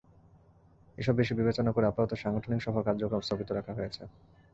এসব বিষয় বিবেচনা করে আপাতত সাংগঠনিক সফর কার্যক্রম স্থগিত রাখা হয়েছে।